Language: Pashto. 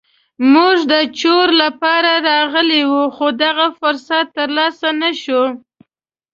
موږ د چور لپاره راغلي وو خو دغه فرصت تر لاسه نه شو.